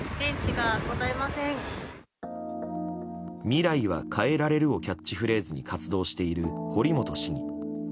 「未来は変えられる。」をキャッチフレーズに活動している堀本市議。